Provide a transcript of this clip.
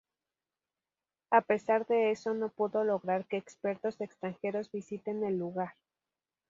A pesar de eso no pudo lograr que expertos extranjeros visiten el lugar.